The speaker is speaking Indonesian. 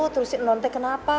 terus si nonte kenapa